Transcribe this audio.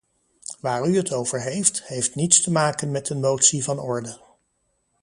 Waar u het over heeft, heeft niets te maken met een motie van orde.